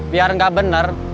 biar gak bener